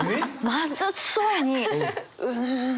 まずそうに「うま！」。